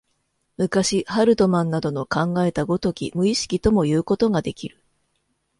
昔、ハルトマンなどの考えた如き無意識ともいうことができる。